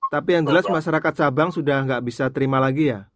tapi yang jelas masyarakat sabang sudah tidak bisa terima lagi ya